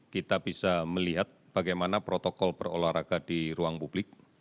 kita bisa melihat bagaimana protokol berolahraga di ruang publik